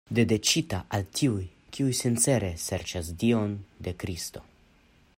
Dediĉita al tiuj, kiuj sincere serĉas Dion de Kristo.